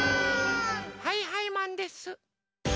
はいはいマンです。